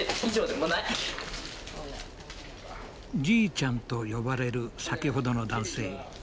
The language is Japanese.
「じいちゃん」と呼ばれる先ほどの男性。